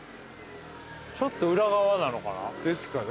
ちょっと裏側なのかな？ですかね。